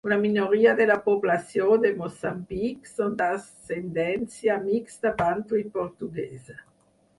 Una minoria de la població de Moçambic són d'ascendència mixta bantu i portuguesa.